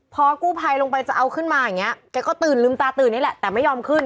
พอกู้ภัยลงไปจะเอาขึ้นมาอย่างนี้แกก็ตื่นลืมตาตื่นนี่แหละแต่ไม่ยอมขึ้น